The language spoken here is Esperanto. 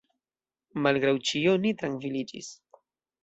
Malgraŭ ĉio, ni trankviliĝis.